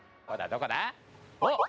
どこだ？